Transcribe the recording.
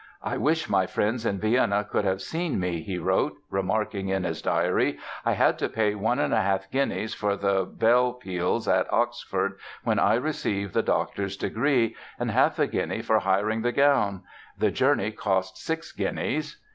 "I wish my friends in Vienna could have seen me", he wrote, remarking in his diary "I had to pay one and a half guineas for the bell peals at Oxford when I received the Doctor's degree, and half a guinea for hiring the gown. The journey cost six guineas."